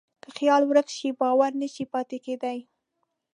که خیال ورک شي، باور نهشي پاتې کېدی.